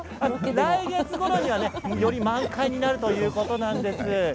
来月ごろには満開になるということです。